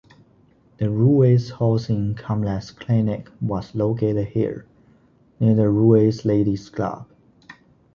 The Ruwais Housing Complex Clinic was located here, near the Ruwais Ladies Club.